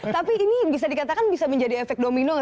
tapi ini bisa dikatakan bisa menjadi efek domino